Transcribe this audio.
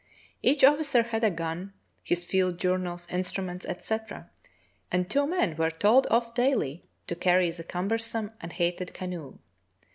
Each officer had a gun, his field journals, instruments, etc., and two men were told off daily to carry the cumbersome and hated canoe.